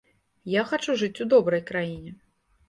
Я хачу жыць у добрай краіне.